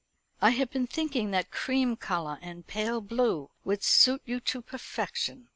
I have been thinking that cream colour and pale blue would suit you to perfection.